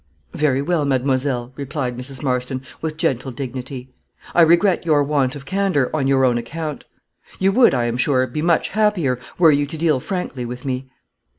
"Very well, mademoiselle," replied Mrs. Marston, with gentle dignity; "I regret your want of candor, on your own account. You would, I am sure, be much happier, were you to deal frankly with me."